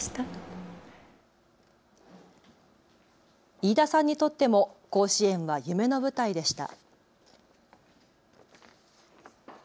飯田さんにとっても甲子園は夢の舞台でした。